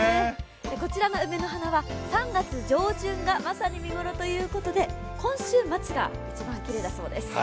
こちらの梅の花は３月上旬がまさに見ごろということで今週末が一番きれいだそうです。